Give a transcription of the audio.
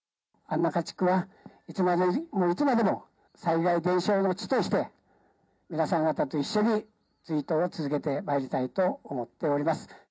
安中地区をいつまでも災害伝承の地として、皆さん方と一緒に追悼を続けてまいりたいと思っております。